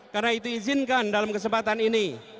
karena itu izinkan dalam kesempatan ini